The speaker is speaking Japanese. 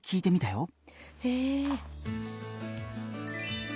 へえ。